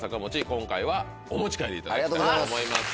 今回はお持ち帰りいただきたいと思います。